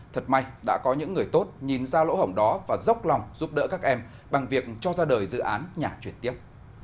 thật may đã có những người tốt nhìn ra lỗ hổng đó và dốc lòng giúp đỡ các em bằng việc cho ra đời dự án nhà chuyển tiếp